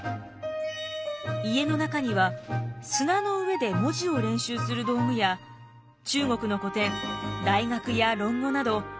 家の中には砂の上で文字を練習する道具や中国の古典「大学」や「論語」など難しい書物がたくさんありました。